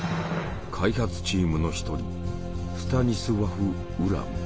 開発チームの一人スタニスワフ・ウラム。